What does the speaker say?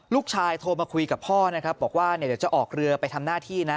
โทรมาคุยกับพ่อนะครับบอกว่าเดี๋ยวจะออกเรือไปทำหน้าที่นะ